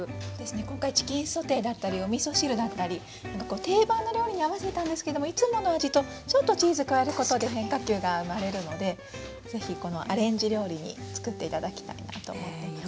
今回チキンソテーだったりおみそ汁だったり定番の料理に合わせたんですけどもいつもの味とちょっとチーズ加えることで変化球が生まれるのでぜひこのアレンジ料理に作って頂きたいなと思っています。